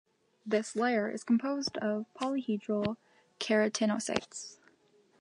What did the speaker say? This layer is composed of polyhedral keratinocytes.